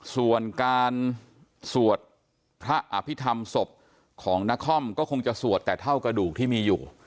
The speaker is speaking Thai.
ส่วนการสวดพระอภิษฐรรมศพของนครก็คงจะสวดแต่เท่ากระดูกที่มีอยู่